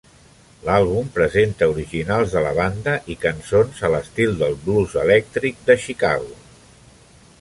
L'àlbum presenta originals de la banda i cançons a l'estil del blues elèctric de Chicago.